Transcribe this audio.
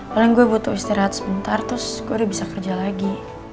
paling gue butuh istirahat sebentar terus gue udah bisa kerja lagi